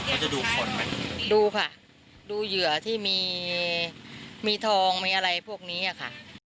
เขาจะดูคนไหมดูค่ะดูเหยื่อที่มีมีทองมีอะไรพวกนี้อ่ะค่ะ